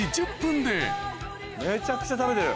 めちゃくちゃ食べてる。